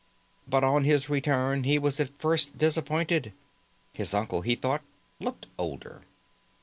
But on his return he was at first disappointed. His uncle, he thought, looked older.